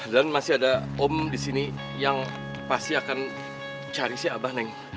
dan masih ada om di sini yang pasti akan cari si abah neng